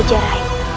agar dia merasa jiran